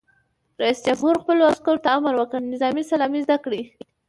رئیس جمهور خپلو عسکرو ته امر وکړ؛ نظامي سلامي زده کړئ!